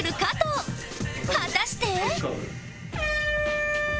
果たして